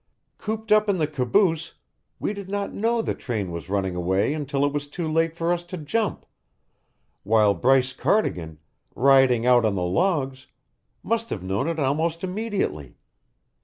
"Cooped up in the caboose, we did not know the train was running away until it was too late for us to jump, while Bryce Cardigan, riding out on the logs, must have known it almost immediately.